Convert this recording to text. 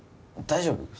大丈夫？